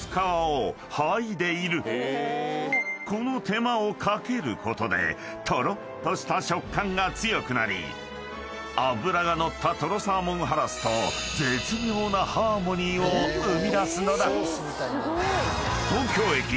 ［この手間をかけることでとろっとした食感が強くなり脂が乗ったとろサーモンハラスと絶妙なハーモニーを生み出すのだ］